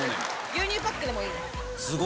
牛乳パックでもいい。